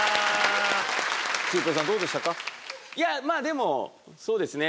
いやまぁでもそうですね。